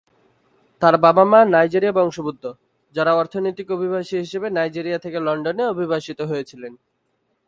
তার বাব-মা নাইজেরীয় বংশোদ্ভূত, যারা অর্থনৈতিক অভিবাসী হিসেবে নাইজেরিয়া থেকে লন্ডনে অভিবাসিত হয়েছিলেন।